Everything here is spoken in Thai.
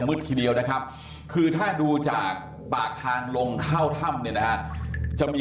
ทีเดียวนะครับคือถ้าดูจากปากทางลงเข้าถ้ำเนี่ยนะฮะจะมี